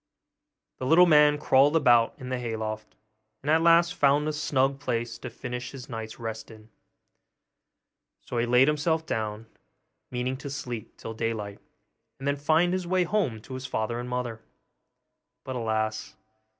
The little man crawled about in the hay loft, and at last found a snug place to finish his night's rest in; so he laid himself down, meaning to sleep till daylight, and then find his way home to his father and mother. But alas!